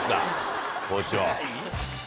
校長。